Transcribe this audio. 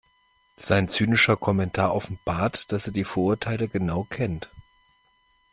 Sein zynischer Kommentar offenbart, dass er die Vorurteile genau kennt.